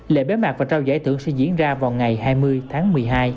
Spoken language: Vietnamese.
lệ bế mạc và trao giải thưởng sẽ diễn ra vào ngày hai mươi tháng một mươi hai